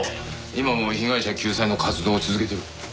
今も被害者救済の活動を続けてる。